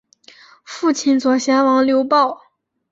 父亲左贤王刘豹。